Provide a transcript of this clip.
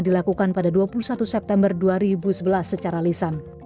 dilakukan pada dua puluh satu september dua ribu sebelas secara lisan